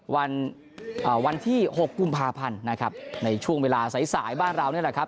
วันเอ่อวันที่หกกุมภาพันธ์นะครับในช่วงเวลาใส่สายบ้านเราเนี่ยแหละครับ